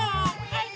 はい！